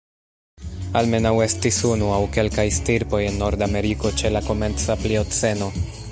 Almenaŭ estis unu aŭ kelkaj stirpoj en Nordameriko ĉe la komenca Plioceno.